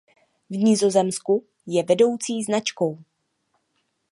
V Nizozemsku je vedoucí značkou.